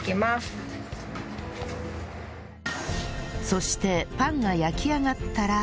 そしてパンが焼き上がったら